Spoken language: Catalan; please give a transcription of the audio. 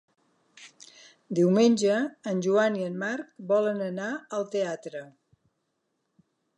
Diumenge en Joan i en Marc volen anar al teatre.